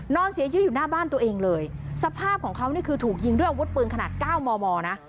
นอนเสียยื้ออยู่หน้าบ้านตัวเองเลยสภาพของเขาคือถูกยิงด้วยอาวุธปืนขนาด๙มนะ